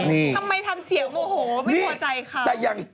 ทำไมทำเสียงโอโหไม่ควรใจเขา